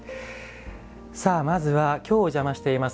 まずは、きょうお邪魔しています